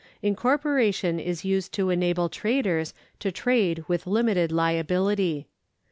Incorporation is used to enable traders to trade with limited liability.